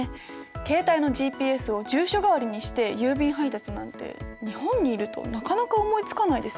携帯のＧＰＳを住所代わりにして郵便配達なんて日本にいるとなかなか思いつかないですよね。